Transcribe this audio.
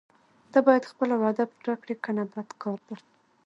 ته باید خپله وعده پوره کړې کنه بد کار ده.